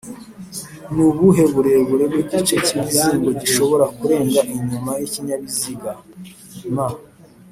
Nubuhe burebure bw’igice cy’imizigo gishobora kurenga inyuma y’ikinyabiziga? m